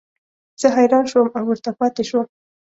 زه حیران شوم او ورته پاتې شوم.